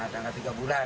tengah tiga bulan